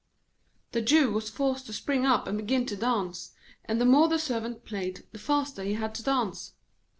The Jew was forced to spring up and begin to dance, and the more the Servant played, the faster he had to dance.